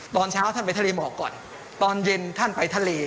ตอนเช้าท่านไปทะเลหมอกก่อนตอนเย็นท่านไปทะเล